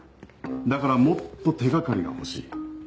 だからもっと手掛かりが欲しい。